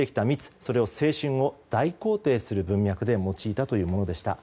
それを青春を大肯定する文脈で用いたというものでした。